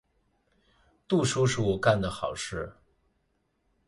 杜叔叔干的好事。